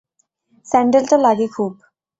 স্যান্ডেলটা লাগে খুব।